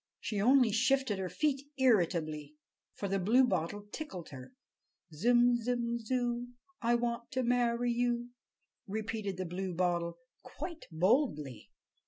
She only shifted her feet irritably, for the Bluebottle tickled her. "Zum, zum, zoo, I want to marry you!" repeated the Bluebottle, quite boldly.